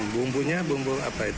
bumbunya bumbu apa itu